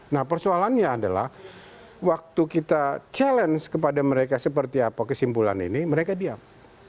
nah persoalannya adalah waktu kita challenge kepada mereka seperti apa kesimpulan ini mereka diam